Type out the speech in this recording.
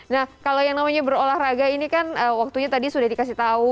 nah kalau yang namanya berolahraga ini kan waktunya tadi sudah dikasih tahu